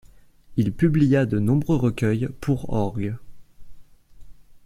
Il publia de nombreux recueils pour orgue.